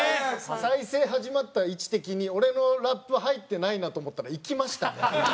再生始まった位置的に俺のラップ入ってないなと思ったらいきましたね。